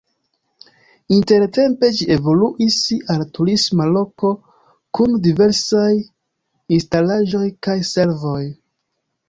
Intertempe ĝi evoluis al turisma loko kun diversaj instalaĵoj kaj servoj.